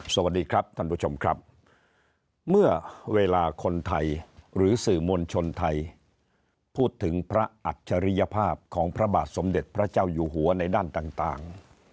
สวัสดีครับท่านผู้ชมครับเมื่อเวลาคนไทยหรือสื่อมวลชนไทยพูดถึงพระอัจฉริยภาพของพระบาทสมเด็จพระเจ้าอยู่หัวในด้านต่าง